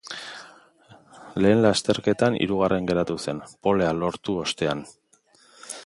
Lehen lasterketan hirugarren geratu zen, polea lortu ostean.